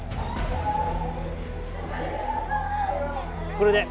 これで。